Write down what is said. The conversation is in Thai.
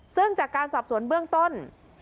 ซึ่งจากการสอบสวนเบื้องต้น